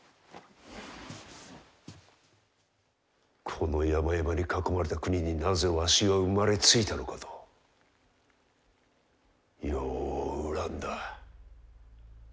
この山々に囲まれた国になぜわしは生まれついたのかとよう恨んだ。